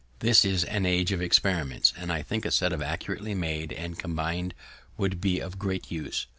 This is an age of experiments, and I think a set accurately made and combin'd would be of great use.